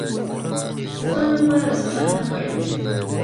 د ځان لپاره رسالت نه قایل وو